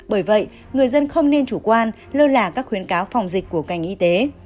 bởi vậy người dân không nên chủ quan lơ là các khuyến cáo phòng dịch của ngành y tế